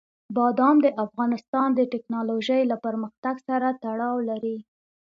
بادام د افغانستان د تکنالوژۍ له پرمختګ سره تړاو لري.